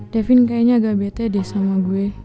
davin kayaknya agak bete deh sama gue